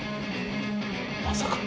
まさか。